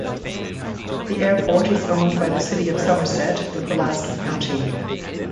The airport is owned by the city of Somerset and Pulaski County.